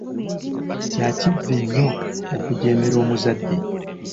Kya kivve nnyo okujeemera omuzadde.